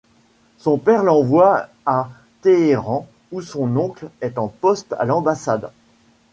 Son père l'envoie à Téhéran, où son oncle est en poste à l'ambassade.